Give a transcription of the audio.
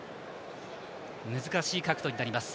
難しい角度になります。